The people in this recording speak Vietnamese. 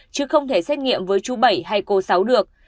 chứ không thể xét nghiệm với chú bảy hay cô sáu được